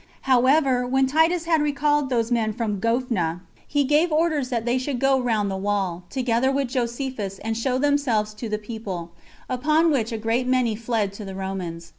However, when Titus had recalled those men from Gophna, he gave orders that they should go round the wall, together with Josephus, and show themselves to the people; upon which a great many fled to the Romans.